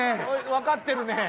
わかってるね。